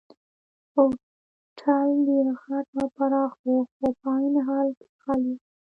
هوټل ډېر غټ او پراخه وو خو په عین حال کې خالي وو.